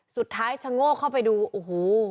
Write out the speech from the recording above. สุดท้ายชะโง่เข้าไปดูโอ้โห